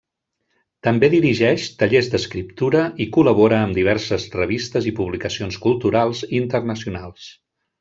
També dirigeix tallers d'escriptura i col·labora amb diverses revistes i publicacions culturals internacionals.